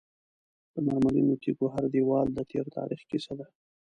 د مرمرینو تیږو هر دیوال د تیر تاریخ کیسه ده.